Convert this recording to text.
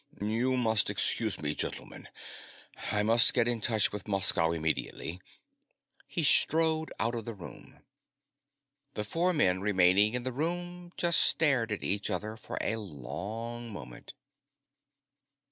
"You must excuse me, gentlemen. I must get in touch with Moscow immediately." He strode out of the room. The four men remaining in the room just stared at each other for a long moment.